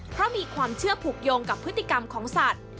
เพราะมีความเชื่อผูกโยงกับพฤติกรรมของสัตว์